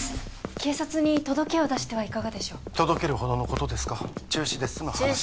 警察に届けを出してはいかがでしょう届けるほどのことですか中止で済む話です